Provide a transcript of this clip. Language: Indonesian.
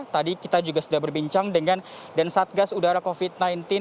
tadi kita juga sudah berbincang dengan dan satgas udara covid sembilan belas